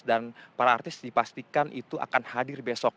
dan para artis dipastikan itu akan hadir besok